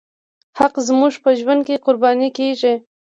حق زموږ په ژوند کې قرباني کېږي.